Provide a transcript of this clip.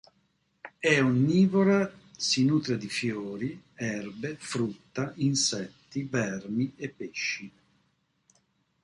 È onnivora si nutre di fiori, erbe, frutta, insetti, vermi e pesci.